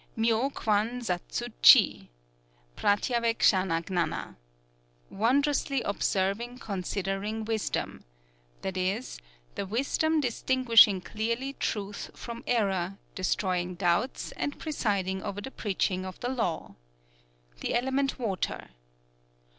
Myō kwan zatsu chi (Pratyavekshana gñâna), "Wondrously observing considering wisdom;" that is, the wisdom distinguishing clearly truth from error, destroying doubts, and presiding over the preaching of the Law. The element Water.